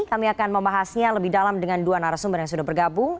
kami akan membahasnya lebih dalam dengan dua narasumber yang sudah bergabung